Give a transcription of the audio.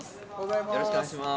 よろしくお願いします。